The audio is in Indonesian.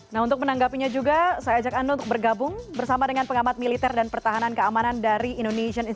nah untuk menanggapinya juga saya ajak anda untuk bergabung bersama dengan pengamat militer dan pertahanan keamanan dari indonesian